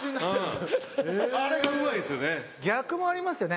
あれがうまいんですよね。